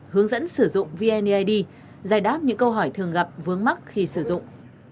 hướng dẫn sử dụng vneid giải đáp những câu hỏi thường gặp vướng mắt khi sử dụng